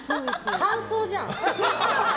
感想じゃん！